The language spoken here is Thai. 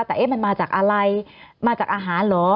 แต่เอ๊ะมันมาจากอะไรมาจากอาหารเหรอ